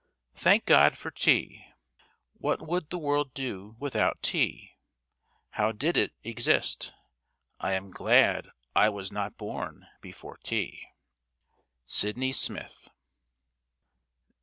Thank God for tea! What would the world do without tea? how did it exist? I am glad I was not born before tea. SYDNEY SMITH.